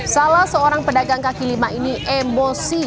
salah seorang pedagang kaki lima ini emosi